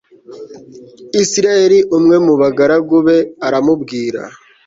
isirayeli umwe mu bagaragu be aramubwira